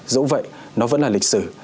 dẫu vậy nó vẫn là lịch sử